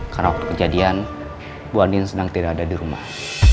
karena waktu kejadian bu andin sedang tidak ada dirumah